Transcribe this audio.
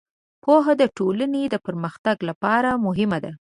پوهه د ټولنې د پرمختګ لپاره مهمه ده.